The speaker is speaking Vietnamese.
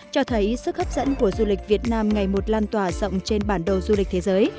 cho thấy sức hấp dẫn của du lịch việt nam ngày một lan tỏa rộng trên bản đồ du lịch thế giới